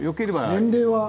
年齢は？